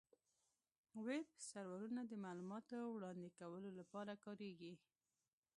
ویب سرورونه د معلوماتو وړاندې کولو لپاره کارېږي.